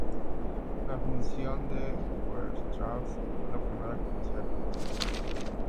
La función de Weierstrass fue la primera conocida con esta propiedad.